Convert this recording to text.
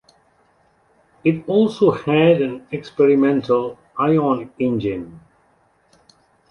It also had an experimental ion engine.